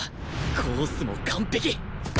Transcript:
コースも完璧！